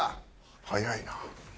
早いな。